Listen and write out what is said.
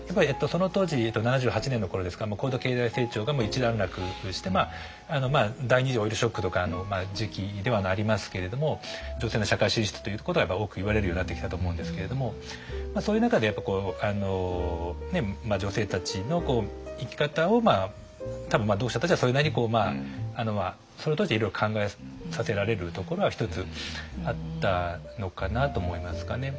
その当時７８年の頃ですから高度経済成長が一段落して第２次オイルショックとかの時期ではありますけれども女性の社会進出ということが多く言われるようになってきたと思うんですけれどもそういう中で女性たちの生き方を多分読者たちはそれなりにそれを通していろいろ考えさせられるところは一つあったのかなと思いますかね。